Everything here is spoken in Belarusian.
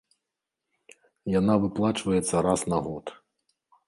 Яна выплачваецца раз на год.